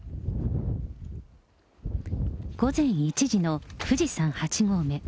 午前１時の富士山８合目。